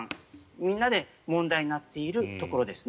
みんなで問題になっているところですね。